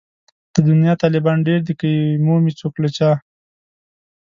د دنيا طالبان ډېر دي که يې مومي څوک له چا